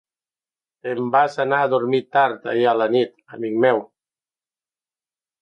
Te'n vas anar a dormir tard ahir a la nit, amic meu.